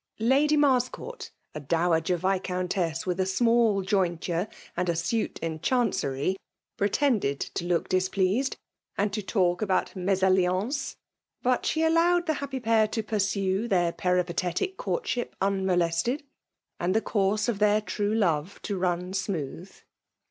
Lady Marscourt, a dow« agcr Viscountess with a small jointure and a suit, in Chancery, pretended to look djs^deased, and to talk about mesalliances; but she allowed the happy pair to pursue their peripatetic courtship unmolested, and the eourse of theil true love to run smooth.